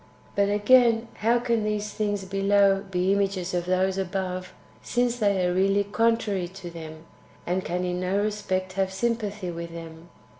6. But, again, how can these things [below] be images of those [above], since they are really contrary to them, and can in no respect have sympathy with them?